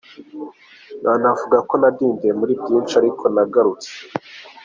Nanavuga ko nadindiye muri byinshi ariko nagarutse.